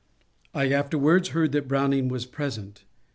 I afterwards heard that Browning was present.